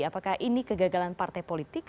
apakah ini kegagalan partai politik